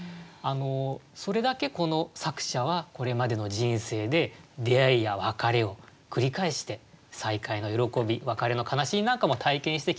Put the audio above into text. それだけこの作者はこれまでの人生で出会いや別れを繰り返して再会の喜び別れの悲しみなんかも体験してきたんだろうなって。